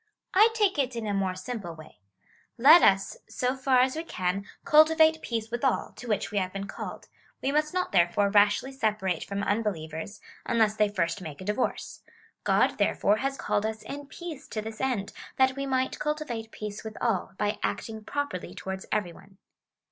I take it in a more simple way :" Let us, so far as we can, cultivate peace with all, to which we have been called. We must not, there fore, rashly sej^arate from unbelievers, unless they first make a divorce, God, therefore, has called us in peace to this end, that we might cultivate peace with all, by acting properly towards every one."